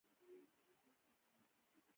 د ملګرو ملتونو رول څه دی؟